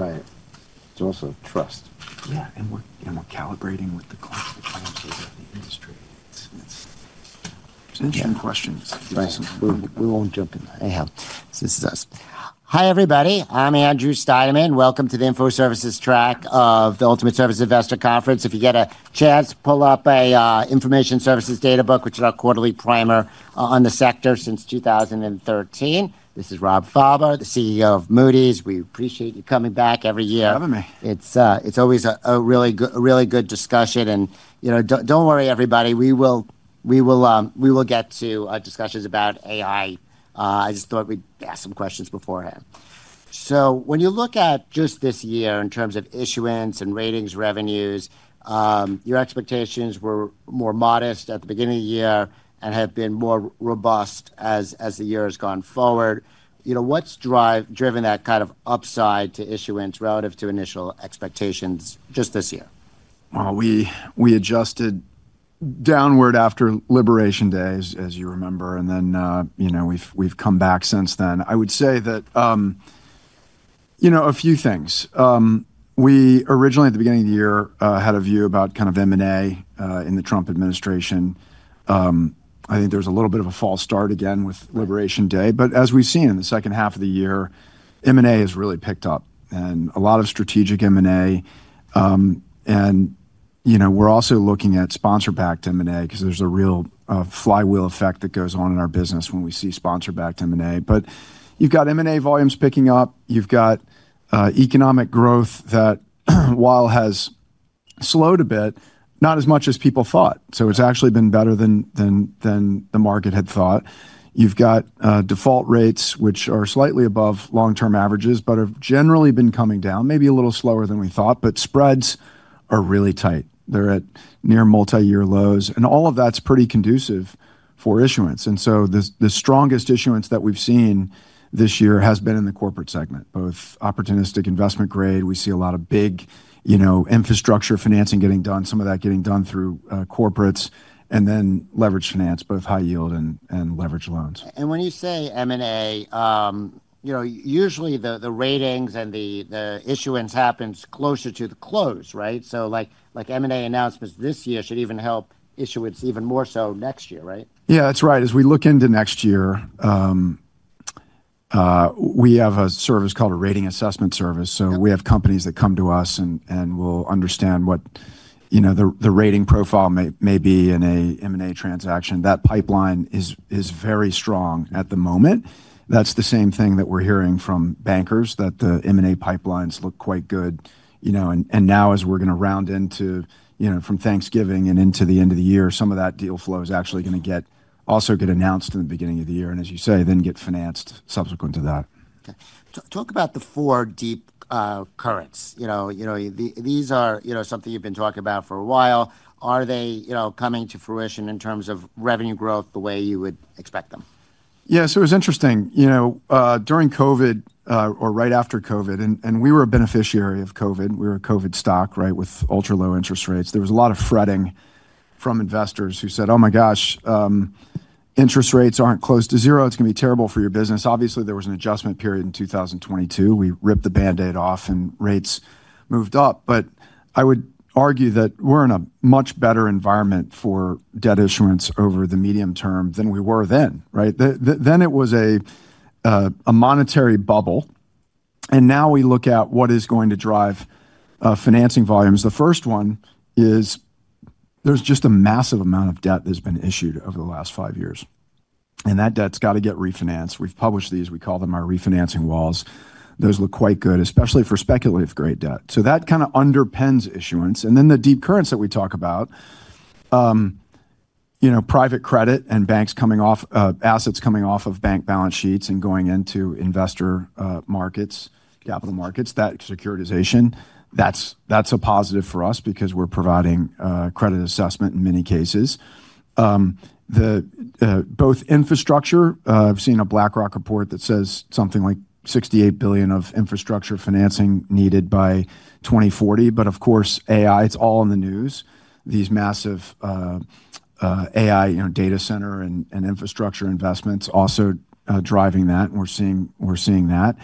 Right. Trust. Yeah. We're calibrating with the clients of the industry. It's interesting questions. We won't jump in there. Yeah. This is us. Hi, everybody. I'm Andrew Steinerman. Welcome to the Info Services Track of the Ultimate Service Investor Conference. If you get a chance, pull up an Information Services Data Book, which is our quarterly primer on the sector since 2013. This is Rob Fauber, the CEO of Moody's. We appreciate you coming back every year. Loving me. It's always a really good discussion. And don't worry, everybody. We will get to discussions about AI. I just thought we'd ask some questions beforehand. When you look at just this year in terms of issuance and ratings, revenues, your expectations were more modest at the beginning of the year and have been more robust as the year has gone forward. What's driven that kind of upside to issuance relative to initial expectations just this year? We adjusted downward after Liberation Day, as you remember. Then we have come back since then. I would say that a few things. We originally, at the beginning of the year, had a view about kind of M&A in the Trump administration. I think there was a little bit of a false start again with Liberation Day. As we have seen in the second half of the year, M&A has really picked up and a lot of strategic M&A. We are also looking at sponsor-backed M&A because there is a real flywheel effect that goes on in our business when we see sponsor-backed M&A. You have got M&A volumes picking up. You have got economic growth that, while has slowed a bit, not as much as people thought. It has actually been better than the market had thought. You've got default rates, which are slightly above long-term averages, but have generally been coming down, maybe a little slower than we thought. Spreads are really tight. They're at near multi-year lows. All of that's pretty conducive for issuance. The strongest issuance that we've seen this year has been in the corporate segment, both opportunistic investment grade. We see a lot of big infrastructure financing getting done, some of that getting done through corporates, and then leveraged finance, both high yield and leveraged loans. When you say M&A, usually the ratings and the issuance happens closer to the close, right? So M&A announcements this year should even help issuance even more so next year, right? Yeah, that's right. As we look into next year, we have a service called a rating assessment service. So we have companies that come to us and will understand what the rating profile may be in an M&A transaction. That pipeline is very strong at the moment. That's the same thing that we're hearing from bankers, that the M&A pipelines look quite good. As we're going to round into from Thanksgiving and into the end of the year, some of that deal flow is actually going to also get announced in the beginning of the year. As you say, then get financed subsequent to that. Talk about the four deep currents. These are something you've been talking about for a while. Are they coming to fruition in terms of revenue growth the way you would expect them? Yeah. So it was interesting. During COVID, or right after COVID, and we were a beneficiary of COVID. We were a COVID stock, right, with ultra low interest rates. There was a lot of fretting from investors who said, "Oh my gosh, interest rates aren't close to zero. It's going to be terrible for your business." Obviously, there was an adjustment period in 2022. We ripped the Band-Aid off and rates moved up. I would argue that we're in a much better environment for debt issuance over the medium term than we were then, right? Then it was a monetary bubble. Now we look at what is going to drive financing volumes. The first one is there's just a massive amount of debt that's been issued over the last five years. That debt's got to get refinanced. We've published these. We call them our refinancing walls. Those look quite good, especially for speculative-grade debt. That kind of underpins issuance. The deep currents that we talk about, private credit and assets coming off of bank balance sheets and going into investor markets, capital markets, that securitization, that's a positive for us because we're providing credit assessment in many cases. Infrastructure, I've seen a BlackRock report that says something like $68 billion of infrastructure financing needed by 2040. Of course, AI, it's all in the news. These massive AI data center and infrastructure investments also driving that. We're seeing that.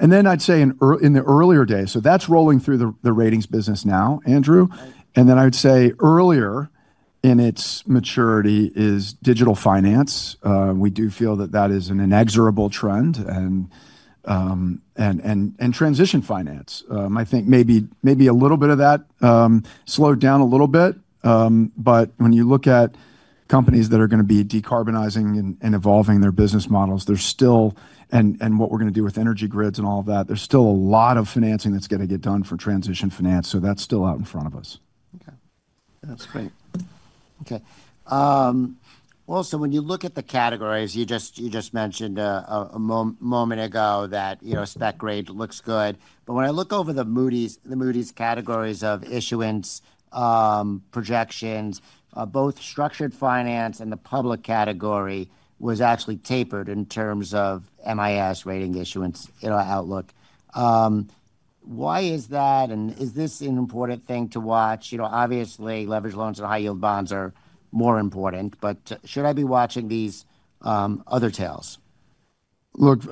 I'd say in the earlier days, that's rolling through the ratings business now, Andrew. I would say earlier in its maturity is digital finance. We do feel that that is an inexorable trend and transition finance. I think maybe a little bit of that slowed down a little bit. When you look at companies that are going to be decarbonizing and evolving their business models, and what we're going to do with energy grids and all of that, there's still a lot of financing that's going to get done for transition finance. That is still out in front of us. Okay. That's great. Okay. When you look at the categories, you just mentioned a moment ago that spec rate looks good. But when I look over the Moody's categories of issuance projections, both structured finance and the public category was actually tapered in terms of MIS rating issuance outlook. Why is that? Is this an important thing to watch? Obviously, leveraged loans and high-yield bonds are more important. Should I be watching these other tails? Look,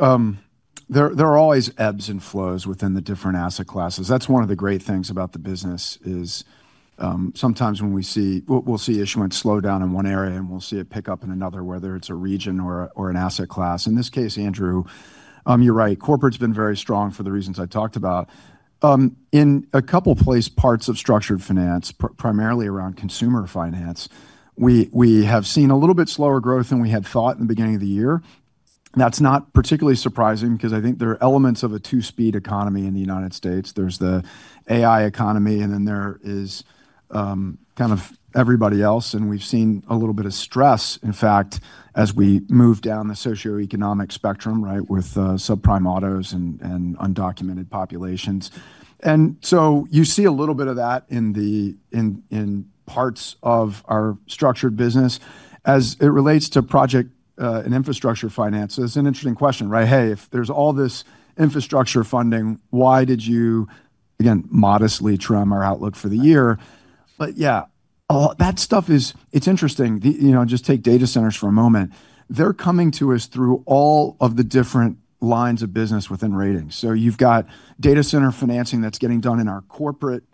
there are always ebbs and flows within the different asset classes. That is one of the great things about the business is sometimes when we see we will see issuance slow down in one area and we will see it pick up in another, whether it is a region or an asset class. In this case, Andrew, you are right. Corporate has been very strong for the reasons I talked about. In a couple of parts of structured finance, primarily around consumer finance, we have seen a little bit slower growth than we had thought in the beginning of the year. That is not particularly surprising because I think there are elements of a two-speed economy in the United States. There is the AI economy, and then there is kind of everybody else. We have seen a little bit of stress, in fact, as we move down the socioeconomic spectrum, right, with subprime autos and undocumented populations. You see a little bit of that in parts of our structured business as it relates to project and infrastructure finances. It's an interesting question, right? Hey, if there's all this infrastructure funding, why did you, again, modestly trim our outlook for the year? Yeah, that stuff is, it's interesting. Just take data centers for a moment. They're coming to us through all of the different lines of business within ratings. You have data center financing that's getting done in our corporate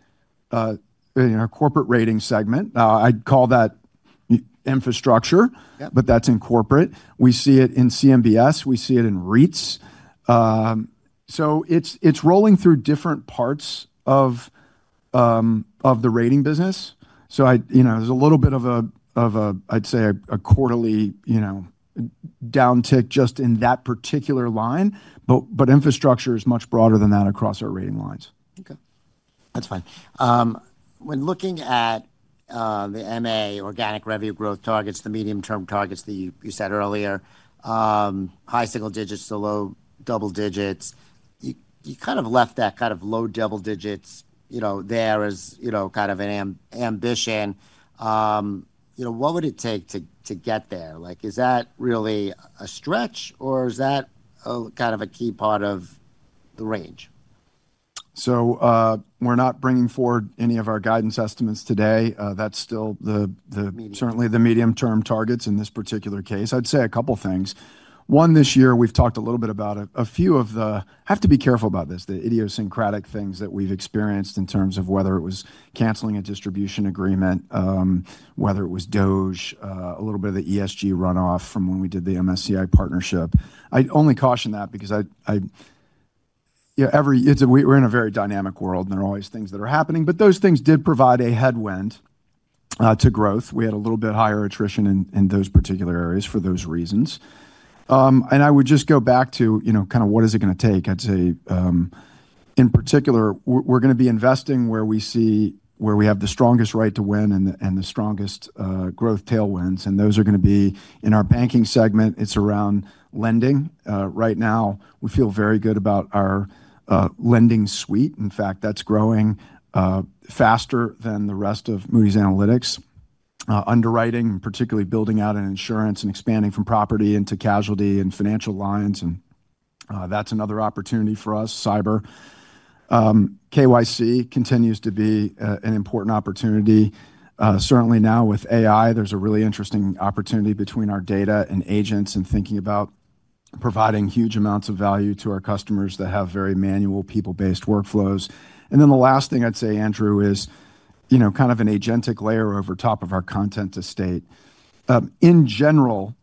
rating segment. I'd call that infrastructure, but that's in corporate. We see it in CMBS. We see it in REITs. It's rolling through different parts of the rating business. There's a little bit of a, I'd say, a quarterly downtick just in that particular line. Infrastructure is much broader than that across our rating lines. Okay. That's fine. When looking at the MA, organic revenue growth targets, the medium-term targets that you said earlier, high-single digits to low-double digits, you kind of left that kind of low double digits there as kind of an ambition. What would it take to get there? Is that really a stretch, or is that kind of a key part of the range? We're not bringing forward any of our guidance estimates today. That's still certainly the medium-term targets in this particular case. I'd say a couple of things. One, this year, we've talked a little bit about a few of the, I have to be careful about this, the idiosyncratic things that we've experienced in terms of whether it was canceling a distribution agreement, whether it was, a little bit of the ESG runoff from when we did the MSCI partnership. I only caution that because we're in a very dynamic world, and there are always things that are happening. Those things did provide a headwind to growth. We had a little bit higher attrition in those particular areas for those reasons. I would just go back to kind of what is it going to take. I'd say, in particular, we're going to be investing where we see where we have the strongest Right to Win and the strongest growth tailwinds. Those are going to be in our banking segment. It's around lending. Right now, we feel very good about our lending suite. In fact, that's growing faster than the rest of Moody's Analytics. Underwriting, particularly building out in insurance and expanding from property into casualty and financial lines. That's another opportunity for us, cyber. KYC continues to be an important opportunity. Certainly now with AI, there's a really interesting opportunity between our data and agents and thinking about providing huge amounts of value to our customers that have very manual, people-based workflows. The last thing I'd say, Andrew, is kind of an agentic layer over top of our content estate. In general,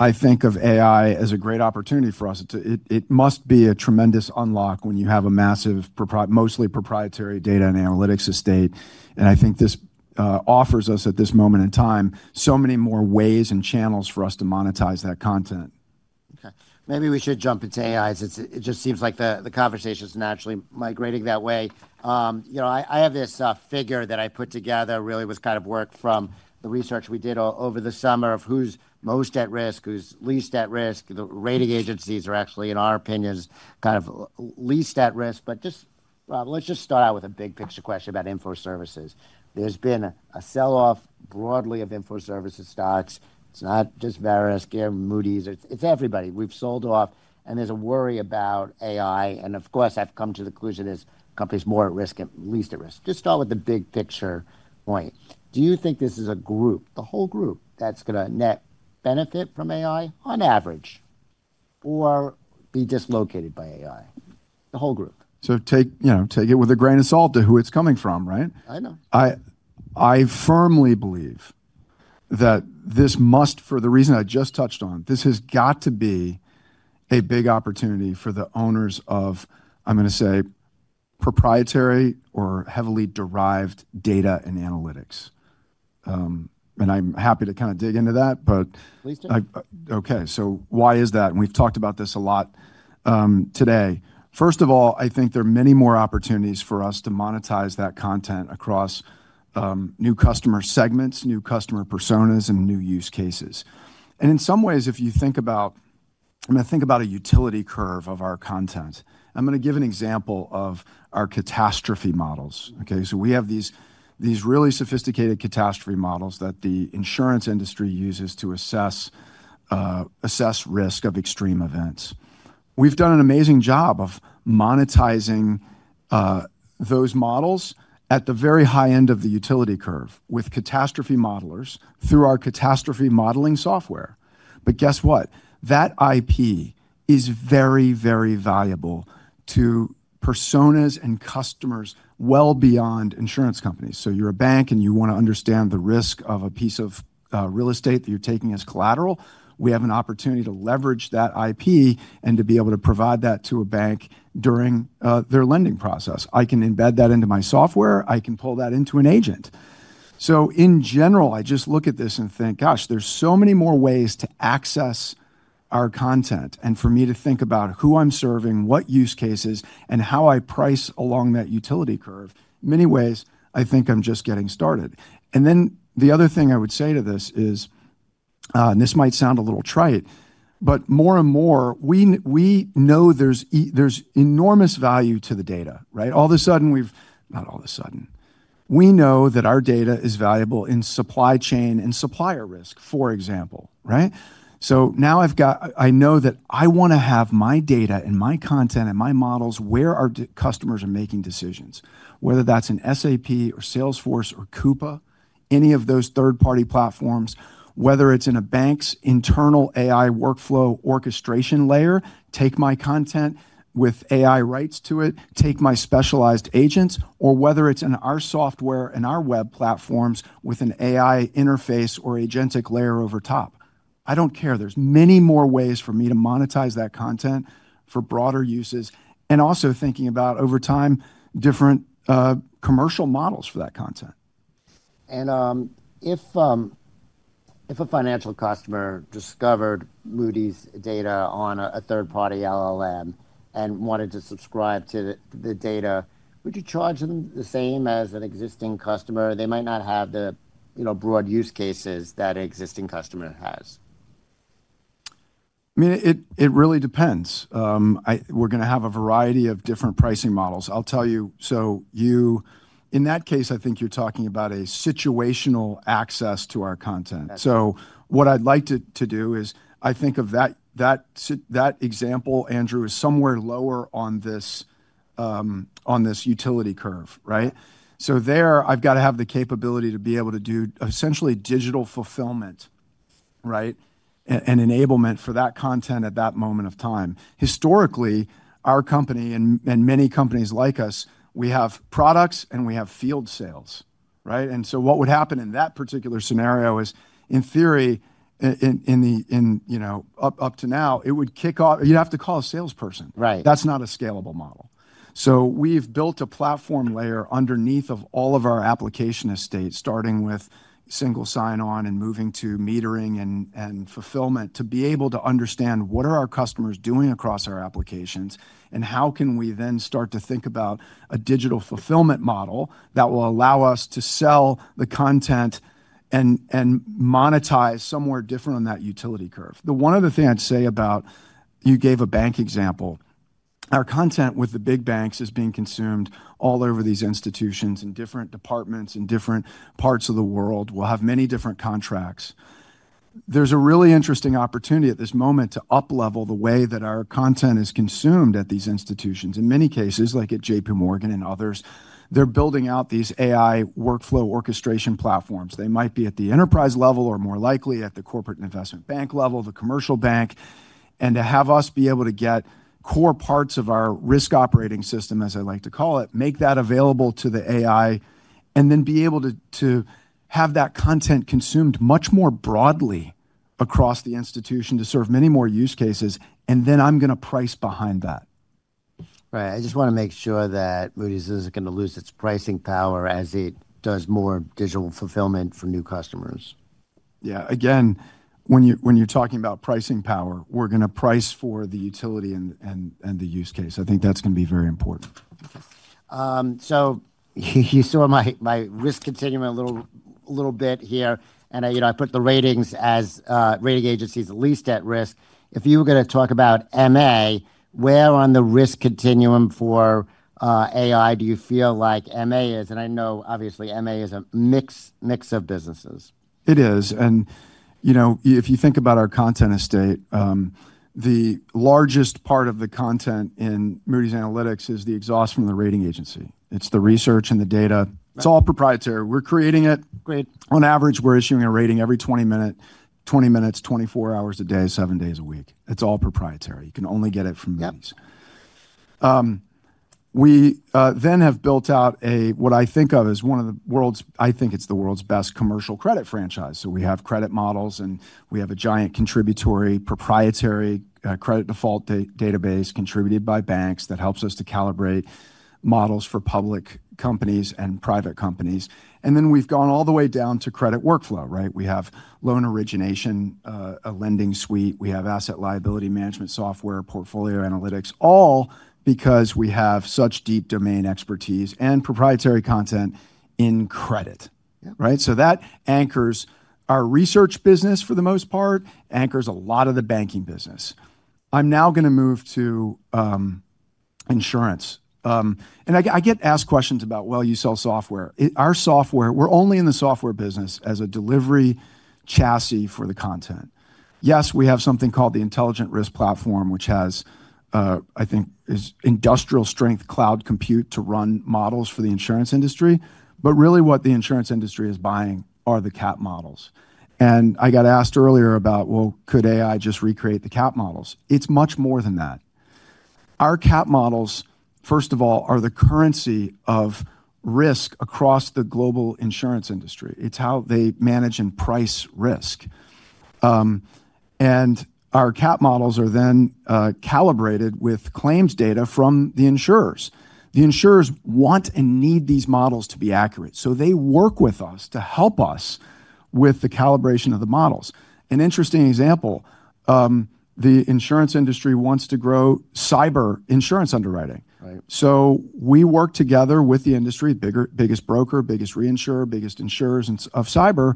I think of AI as a great opportunity for us. It must be a tremendous unlock when you have a massive, mostly proprietary data and analytics estate. I think this offers us at this moment in time so many more ways and channels for us to monetize that content. Okay. Maybe we should jump into AI as it just seems like the conversation's naturally migrating that way. I have this figure that I put together really was kind of worked from the research we did over the summer of who's most at risk, who's least at risk. The rating agencies are actually, in our opinions, kind of least at risk. Just start out with a big picture question about info services. There's been a sell-off broadly of info services stocks. It's not just Verisk, Moody's. It's everybody. We've sold off. There's a worry about AI. Of course, I've come to the conclusion there's companies more at risk and least at risk. Just start with the big picture point. Do you think this is a group, the whole group, that's going to net benefit from AI on average or be dislocated by AI? The whole group. Take it with a grain of salt to who it's coming from, right? I know. I firmly believe that this must, for the reason I just touched on, this has got to be a big opportunity for the owners of, I'm going to say, proprietary or heavily derived data and analytics. I'm happy to kind of dig into that, but. Please do. Okay. Why is that? We've talked about this a lot today. First of all, I think there are many more opportunities for us to monetize that content across new customer segments, new customer personas, and new use cases. In some ways, if you think about it, I'm going to think about a utility curve of our content. I'm going to give an example of our catastrophe models. We have these really sophisticated catastrophe models that the insurance industry uses to assess risk of extreme events. We've done an amazing job of monetizing those models at the very high end of the utility curve with catastrophe modelers through our catastrophe modeling software. Guess what? That IP is very, very valuable to personas and customers well beyond insurance companies. You're a bank and you want to understand the risk of a piece of real estate that you're taking as collateral. We have an opportunity to leverage that IP and to be able to provide that to a bank during their lending process. I can embed that into my software. I can pull that into an agent. In general, I just look at this and think, gosh, there are so many more ways to access our content. For me to think about who I'm serving, what use cases, and how I price along that utility curve, in many ways, I think I'm just getting started. The other thing I would say to this is, and this might sound a little trite, but more and more, we know there's enormous value to the data, right? All of a sudden, we've not all of a sudden. We know that our data is valuable in supply chain and supplier risk, for example, right? Now I know that I want to have my data and my content and my models where our customers are making decisions, whether that's in SAP or Salesforce or Coupa, any of those third-party platforms, whether it's in a bank's internal AI workflow orchestration layer, take my content with AI rights to it, take my specialized agents, or whether it's in our software and our web platforms with an AI interface or agentic layer over top. I don't care. There are many more ways for me to monetize that content for broader uses. Also thinking about, over time, different commercial models for that content. If a financial customer discovered Moody's data on a third-party LLM and wanted to subscribe to the data, would you charge them the same as an existing customer? They might not have the broad use cases that an existing customer has. I mean, it really depends. We're going to have a variety of different pricing models. I'll tell you. In that case, I think you're talking about a situational access to our content. What I'd like to do as I think of that example, Andrew, is somewhere lower on this utility curve, right? There, I've got to have the capability to be able to do essentially digital fulfillment, right, and enablement for that content at that moment of time. Historically, our company and many companies like us, we have products and we have field sales, right? What would happen in that particular scenario is, in theory, up to now, it would kick off, you'd have to call a salesperson. That's not a scalable model. We have built a platform layer underneath all of our application estate, starting with single sign-on and moving to metering and fulfillment to be able to understand what our customers are doing across our applications and how we can then start to think about a digital fulfillment model that will allow us to sell the content and monetize somewhere different on that utility curve. One other thing I would say about, you gave a bank example. Our content with the big banks is being consumed all over these institutions in different departments in different parts of the world. We will have many different contracts. There is a really interesting opportunity at this moment to uplevel the way that our content is consumed at these institutions. In many cases, like at JPMorgan and others, they are building out these AI workflow orchestration platforms. They might be at the enterprise level or more likely at the corporate investment bank level, the commercial bank, and to have us be able to get core parts of our risk operating system, as I like to call it, make that available to the AI and then be able to have that content consumed much more broadly across the institution to serve many more use cases. I am going to price behind that. Right. I just want to make sure that Moody's isn't going to lose its pricing power as it does more digital fulfillment for new customers. Yeah. Again, when you're talking about pricing power, we're going to price for the utility and the use case. I think that's going to be very important. You saw my risk continuum a little bit here. I put the ratings as rating agencies least at risk. If you were going to talk about MA, where on the risk continuum for AI do you feel like MA is? I know, obviously, MA is a mix of businesses. It is. If you think about our content estate, the largest part of the content in Moody's Analytics is the exhaust from the rating agency. It is the research and the data. It is all proprietary. We are creating it. On average, we are issuing a rating every 20 minutes, 24 hours a day, seven days a week. It is all proprietary. You can only get it from Moody's. We then have built out what I think of as one of the world's, I think it is the world's best commercial credit franchise. We have credit models, and we have a giant contributory proprietary credit default database contributed by banks that helps us to calibrate models for public companies and private companies. We have gone all the way down to credit workflow, right? We have loan origination, a lending suite. We have asset liability management software, portfolio analytics, all because we have such deep domain expertise and proprietary content in credit, right? That anchors our research business for the most part, anchors a lot of the banking business. I'm now going to move to insurance. I get asked questions about, you sell software. Our software, we're only in the software business as a delivery chassis for the content. Yes, we have something called the Intelligent Risk Platform, which has, I think, industrial strength cloud compute to run models for the insurance industry. Really, what the insurance industry is buying are the CAT models. I got asked earlier about, could AI just recreate the CAT models? It's much more than that. Our CAT models, first of all, are the currency of risk across the global insurance industry. It's how they manage and price risk. Our CAP models are then calibrated with claims data from the insurers. The insurers want and need these models to be accurate. They work with us to help us with the calibration of the models. An interesting example, the insurance industry wants to grow cyber insurance underwriting. We work together with the industry, biggest broker, biggest reinsurer, biggest insurers of cyber,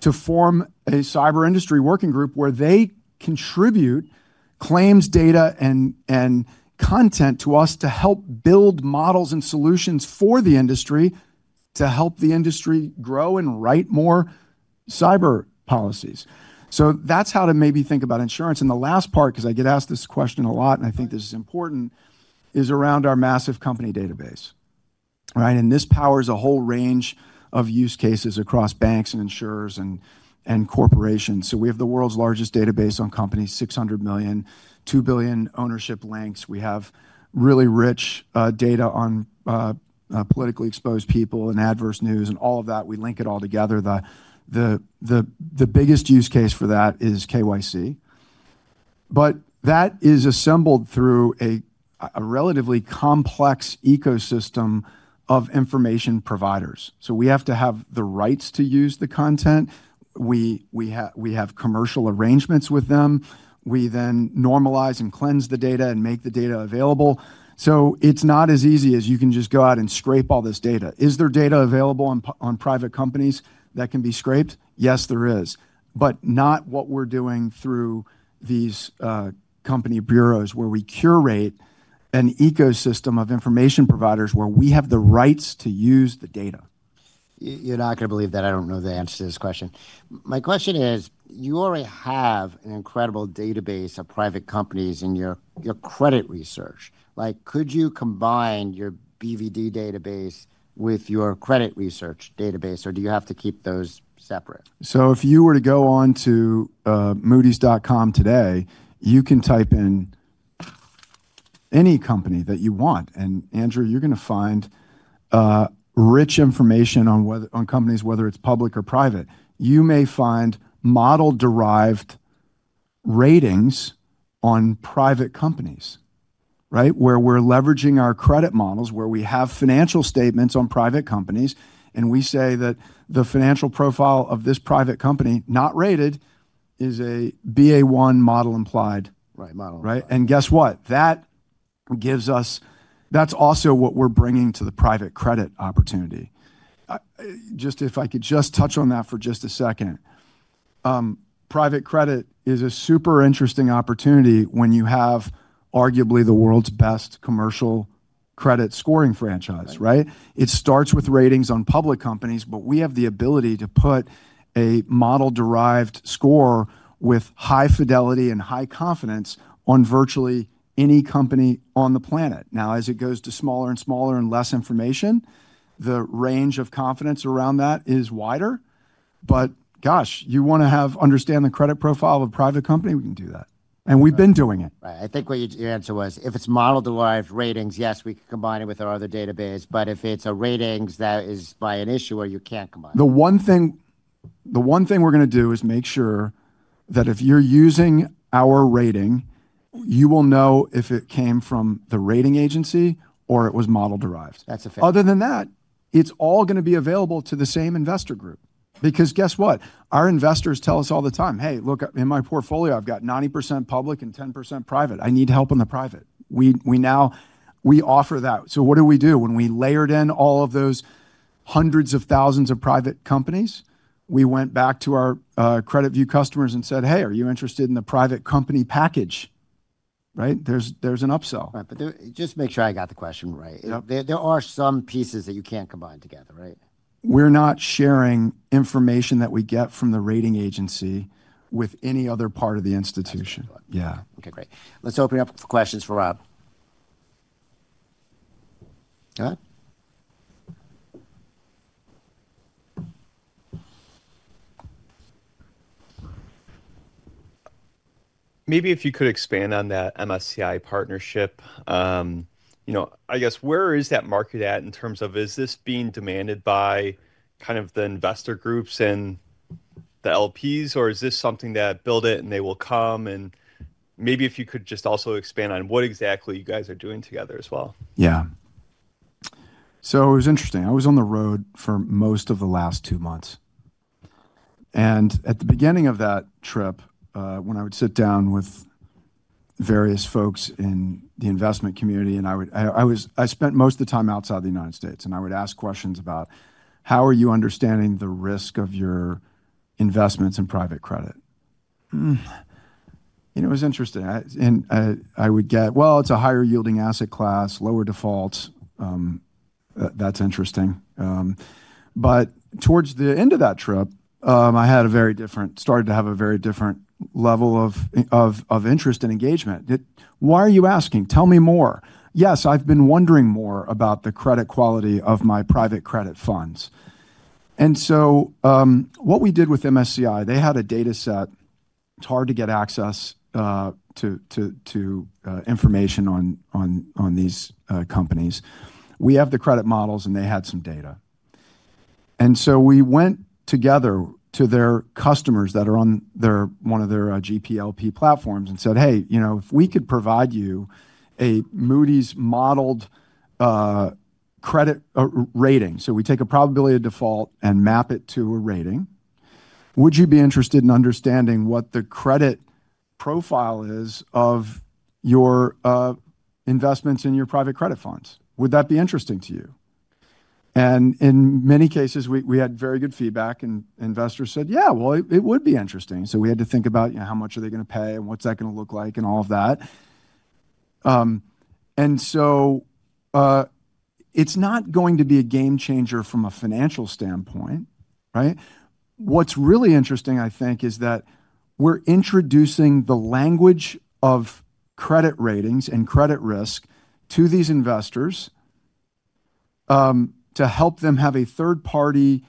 to form a cyber industry working group where they contribute claims data and content to us to help build models and solutions for the industry to help the industry grow and write more cyber policies. That is how to maybe think about insurance. The last part, because I get asked this question a lot, and I think this is important, is around our massive company database, right? This powers a whole range of use cases across banks and insurers and corporations. We have the world's largest database on companies, 600 million, 2 billion ownership links. We have really rich data on politically exposed people and adverse news and all of that. We link it all together. The biggest use case for that is KYC. That is assembled through a relatively complex ecosystem of information providers. We have to have the rights to use the content. We have commercial arrangements with them. We then normalize and cleanse the data and make the data available. It is not as easy as you can just go out and scrape all this data. Is there data available on private companies that can be scraped? Yes, there is. Not what we are doing through these company bureaus where we curate an ecosystem of information providers where we have the rights to use the data. You're not going to believe that I don't know the answer to this question. My question is, you already have an incredible database of private companies in your credit research. Could you combine your BvD database with your credit research database, or do you have to keep those separate? If you were to go on to moodys.com today, you can type in any company that you want. Andrew, you're going to find rich information on companies, whether it's public or private. You may find model-derived ratings on private companies, right, where we're leveraging our credit models where we have financial statements on private companies. We say that the financial profile of this private company not rated is a BA1 model implied, right? Guess what? That gives us, that's also what we're bringing to the private credit opportunity. If I could just touch on that for just a second. Private credit is a super interesting opportunity when you have arguably the world's best commercial credit scoring franchise, right? It starts with ratings on public companies, but we have the ability to put a model-derived score with high fidelity and high confidence on virtually any company on the planet. Now, as it goes to smaller and smaller and less information, the range of confidence around that is wider. Gosh, you want to understand the credit profile of a private company? We can do that. And we've been doing it. Right. I think your answer was, if it's model-derived ratings, yes, we can combine it with our other database. If it's a rating that is by an issue where you can't combine it. The one thing we're going to do is make sure that if you're using our rating, you will know if it came from the rating agency or it was model-derived. Other than that, it's all going to be available to the same investor group. Because guess what? Our investors tell us all the time, "Hey, look, in my portfolio, I've got 90% public and 10% private. I need help on the private." We offer that. What do we do? When we layered in all of those hundreds of thousands of private companies, we went back to our CreditView customers and said, "Hey, are you interested in the private company package?" Right? There's an upsell. Just make sure I got the question right. There are some pieces that you can't combine together, right? We're not sharing information that we get from the rating agency with any other part of the institution. Yeah. Okay. Great. Let's open it up for questions for Rob. Go ahead. Maybe if you could expand on that MSCI partnership, I guess, where is that market at in terms of, is this being demanded by kind of the investor groups and the LPs, or is this something that build it and they will come? Maybe if you could just also expand on what exactly you guys are doing together as well. Yeah. It was interesting. I was on the road for most of the last two months. At the beginning of that trip, when I would sit down with various folks in the investment community, and I spent most of the time outside the United States, I would ask questions about, "How are you understanding the risk of your investments in private credit?" It was interesting. I would get, "Well, it's a higher yielding asset class, lower defaults. That's interesting." Towards the end of that trip, I started to have a very different level of interest and engagement. "Why are you asking? Tell me more." "Yes, I've been wondering more about the credit quality of my private credit funds." What we did with MSCI, they had a dataset. It's hard to get access to information on these companies. We have the credit models, and they had some data. We went together to their customers that are on one of their GPLP platforms and said, "Hey, if we could provide you a Moody's modeled credit rating." We take a probability of default and map it to a rating. "Would you be interested in understanding what the credit profile is of your investments in your private credit funds? Would that be interesting to you?" In many cases, we had very good feedback, and investors said, "Yeah, well, it would be interesting." We had to think about how much are they going to pay and what is that going to look like and all of that. It is not going to be a game changer from a financial standpoint, right? What's really interesting, I think, is that we're introducing the language of credit ratings and credit risk to these investors to help them have a third-party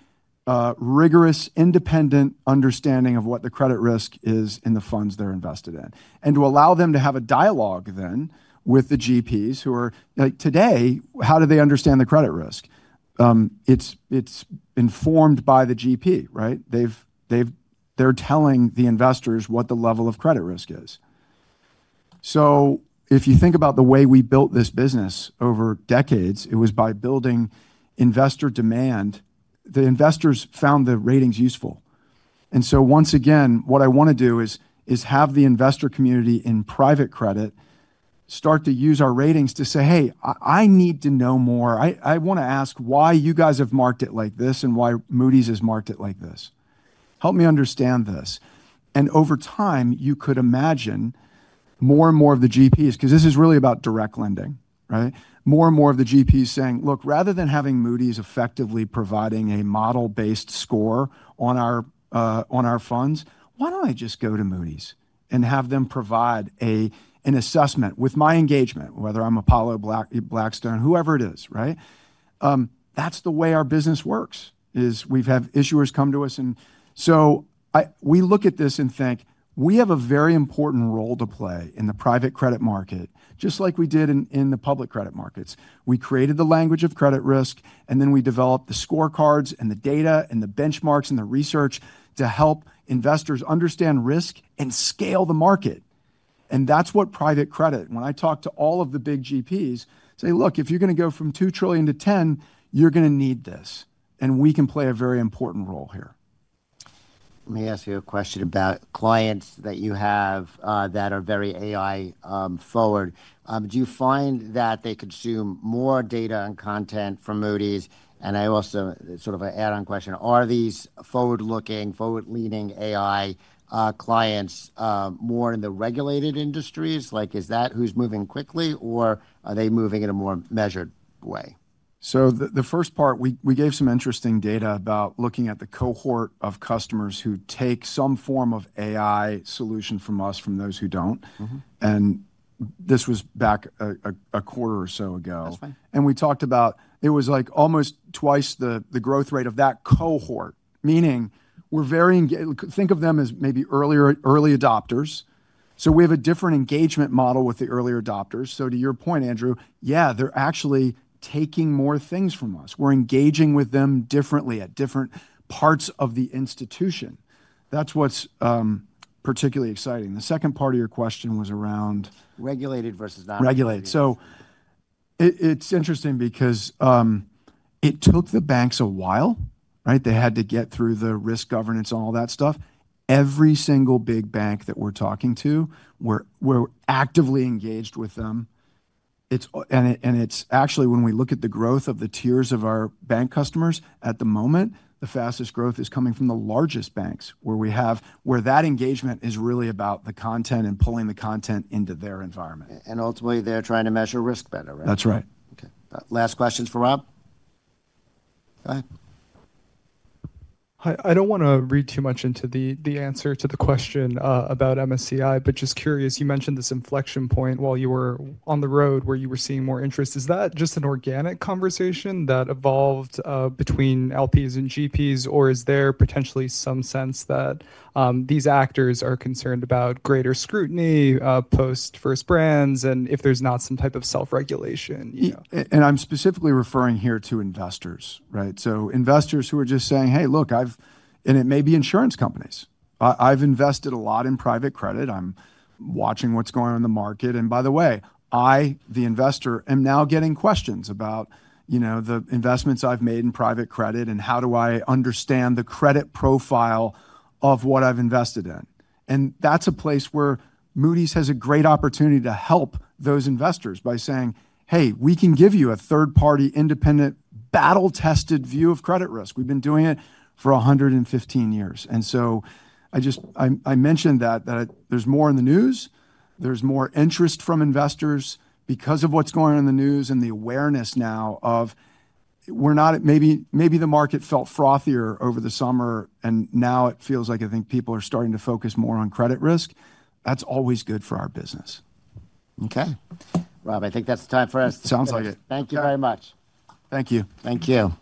rigorous independent understanding of what the credit risk is in the funds they're invested in. To allow them to have a dialogue then with the GPs who are like, "Today, how do they understand the credit risk?" It's informed by the GP, right? They're telling the investors what the level of credit risk is. If you think about the way we built this business over decades, it was by building investor demand. The investors found the ratings useful. Once again, what I want to do is have the investor community in private credit start to use our ratings to say, "Hey, I need to know more. I want to ask why you guys have marked it like this and why Moody's has marked it like this. Help me understand this." Over time, you could imagine more and more of the GPs, because this is really about direct lending, right? More and more of the GPs saying, "Look, rather than having Moody's effectively providing a model-based score on our funds, why do not I just go to Moody's and have them provide an assessment with my engagement, whether I am Apollo, Blackstone, whoever it is, right?" That is the way our business works, is we have had issuers come to us. We look at this and think, "We have a very important role to play in the private credit market, just like we did in the public credit markets. We created the language of credit risk, and then we developed the scorecards and the data and the benchmarks and the research to help investors understand risk and scale the market. That is what private credit, when I talk to all of the big GPs, say, "Look, if you're going to go from $2 trillion to $10 trillion, you're going to need this." We can play a very important role here. Let me ask you a question about clients that you have that are very AI-forward. Do you find that they consume more data and content from Moody's? I also sort of an add-on question, are these forward-looking, forward-leaning AI clients more in the regulated industries? Like, is that who's moving quickly, or are they moving in a more measured way? The first part, we gave some interesting data about looking at the cohort of customers who take some form of AI solution from us from those who do not. This was back a quarter or so ago. We talked about it was like almost twice the growth rate of that cohort, meaning we are very engaged. Think of them as maybe early adopters. We have a different engagement model with the early adopters. To your point, Andrew, yeah, they are actually taking more things from us. We are engaging with them differently at different parts of the institution. That is what is particularly exciting. The second part of your question was around. Regulated versus not regulated. Regulated. It is interesting because it took the banks a while, right? They had to get through the risk governance and all that stuff. Every single big bank that we are talking to, we are actively engaged with them. It is actually, when we look at the growth of the tiers of our bank customers at the moment, the fastest growth is coming from the largest banks where we have where that engagement is really about the content and pulling the content into their environment. Ultimately, they're trying to measure risk better, right? That's right. Okay. Last questions for Rob? Go ahead. I don't want to read too much into the answer to the question about MSCI, but just curious, you mentioned this inflection point while you were on the road where you were seeing more interest. Is that just an organic conversation that evolved between LPs and GPs, or is there potentially some sense that these actors are concerned about greater scrutiny post first brands and if there's not some type of self-regulation? I am specifically referring here to investors, right? Investors who are just saying, "Hey, look, I've," and it may be insurance companies. "I've invested a lot in private credit. I'm watching what's going on in the market. By the way, I, the investor, am now getting questions about the investments I've made in private credit and how do I understand the credit profile of what I've invested in." That is a place where Moody's has a great opportunity to help those investors by saying, "Hey, we can give you a third-party independent battle-tested view of credit risk. We've been doing it for 115 years." I mentioned that there's more in the news. There's more interest from investors because of what's going on in the news and the awareness now of we're not at maybe the market felt frothier over the summer, and now it feels like I think people are starting to focus more on credit risk. That's always good for our business. Okay. Rob, I think that's the time for us to. Sounds like it. Thank you very much. Thank you. Thank you.